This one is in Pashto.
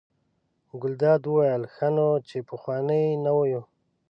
ګلداد وویل: ښه نو چې پخواني نه یو.